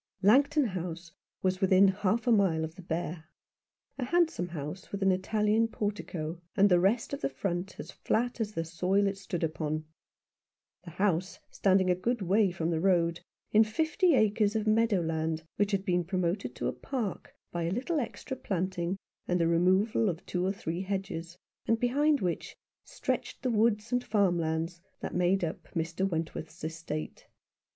64 Some One who loved Him. Langton House was within half a mile of the Bear. A handsome house with an Italian portico, and the rest of the front as flat as the soil it stood upon ; a house standing a good way from the road, in fifty acres of meadow land, which had been promoted to a park by a little extra planting and the removal of two or three hedges, and behind which stretched the woods and farmlands that made up Mr. Wentworth's estate.